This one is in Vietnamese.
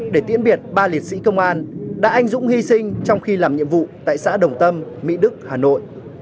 để tiễn biệt ba liệt sĩ công an đã anh dũng hy sinh trong khi làm nhiệm vụ tại xã đồng tâm mỹ đức hà nội